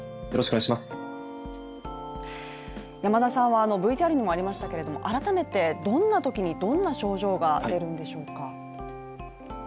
山田さんはＶＴＲにもありましたけど改めてどんなときにどんな症状が出るんでしょうか？